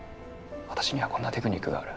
「私にはこんなテクニックがある」